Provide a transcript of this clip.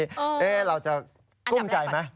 เอ๊ะเราจะกุ้มใจไหม